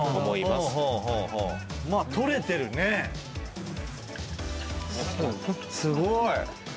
すごい。